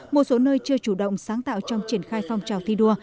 một số nơi chưa chủ động sáng tạo trong triển khai phong trào thi đua